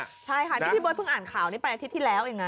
ใช่ค่ะนี่พี่เบิร์เพิ่งอ่านข่าวนี้ไปอาทิตย์ที่แล้วเองนะ